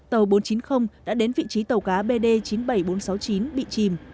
tàu bốn trăm chín mươi đã đến vị trí tàu cá bd chín mươi bảy nghìn bốn trăm sáu mươi chín bị chìm